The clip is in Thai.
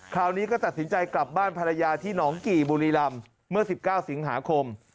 คราวนี้ก็ตัดสินใจกลับบ้านภรรยาที่หนองกี่บุรีรำเมื่อ๑๙สิงหาคม